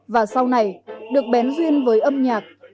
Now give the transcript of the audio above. và sau này được bén duyên với âm nhạc